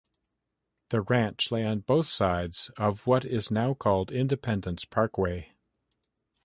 The ranch lay on both sides of what is now called Independence Parkway.